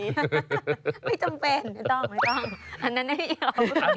ไม่จำเป็นไม่ต้องอันนั้นให้พี่เอา